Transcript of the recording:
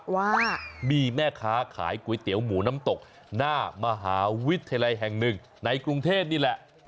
ว่ามีแม่ค้าขายก๋วยเตี๋ยวหมูน้ำตกหน้ามหาวิทยาลัยแห่งหนึ่งในกรุงเทพนี่แหละ